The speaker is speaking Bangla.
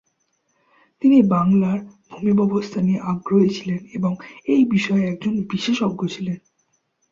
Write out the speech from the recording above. তিনি বাংলার ভূমি ব্যবস্থা নিয়ে আগ্রহী ছিলেন এবং এই বিষয়ে একজন বিশেষজ্ঞ ছিলেন।